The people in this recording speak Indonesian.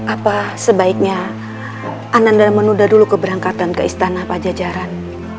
apa sebaiknya ananda menunda dulu keberangkatan ke istana pajajaran